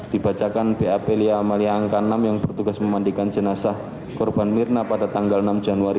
dibacakan bap lia amalia angka enam yang bertugas memandikan jenazah korban mirna pada tanggal enam januari dua ribu enam belas